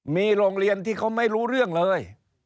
มีโรงเรียนที่เขาไม่รู้เรื่องเลย